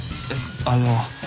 あの。